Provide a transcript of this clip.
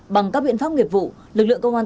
bằng các biện pháp nghiệp vụ lực lượng công an